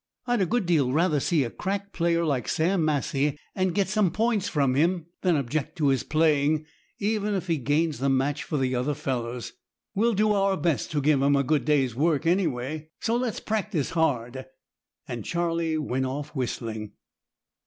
"I'd a good deal rather see a crack player like Sam Massie, and get some points from him, than object to his playing, even if he gains the match for the other fellows. We'll do our best to give him a good day's work, any way. So let's practise hard." And Charlie went off whistling.